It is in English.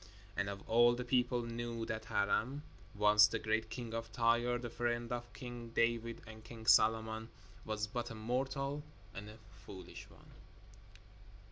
And all the people knew that Hiram, once the great king of Tyre, the friend of King David and King Solomon, was but a mortal and a foolish one.